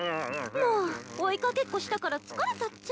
もう追いかけっこしたから疲れたっちゃ。